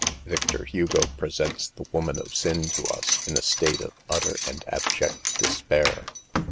Victor Hugo presents the woman of sin to us in a state of utter and abject despair.